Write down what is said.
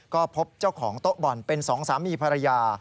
ก็พบเจ้าของโต๊ะบ่อนเป็นสองสามีภรรยา